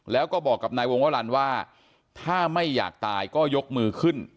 แล้วก็บอกกับนายวงวรรณว่าถ้าไม่อยากตายก็ยกมือขึ้น